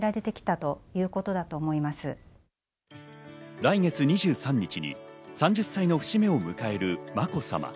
来月２３日に３０歳の節目を迎える、まこさま。